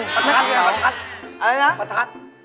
พัฒนาคารเหรออะไรนะพัฒนาคาร